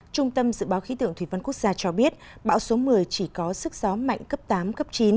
trung tâm dự báo khí tượng thủy văn quốc gia cho biết bão số một mươi chỉ có sức gió mạnh cấp tám cấp chín